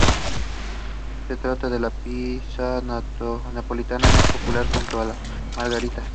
Se trata de la pizza napolitana más popular, junto con la Margarita.